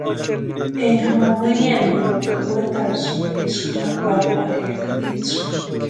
Énka ma wiriani niwaka wetarhisïni eska ma pakwarhiaka itsï.